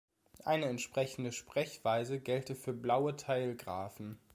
Eine entsprechende Sprechweise gelte für "blaue Teilgraphen".